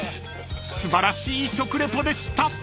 ［素晴らしい食レポでした］